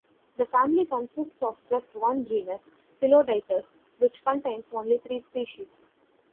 The family consists of just one genus, Pelodytes, which contains only three species.